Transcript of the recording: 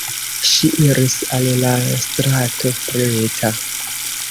Ŝi iris al la strato Freta.